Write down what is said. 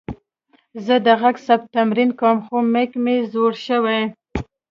زه د غږ ثبت تمرین کوم، خو میک مې زوړ شوې.